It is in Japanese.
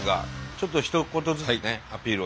ちょっとひと言ずつねアピール